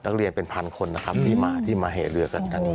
นักเรียนเป็นพันคนนะครับที่มาที่มาเหเรือกัน